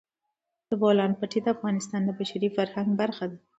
د بولان پټي د افغانستان د بشري فرهنګ برخه ده.